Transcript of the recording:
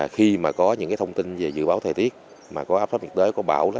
khi mà có những thông tin về dự báo thời tiết mà có áp thấp nhiệt đới có bão